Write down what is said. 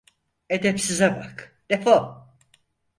Edepsize bak… Defol!